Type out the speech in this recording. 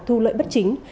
thu lợi bất chính